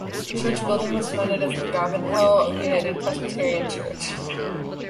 The church building was founded as the Govanhill United Presbyterian Church.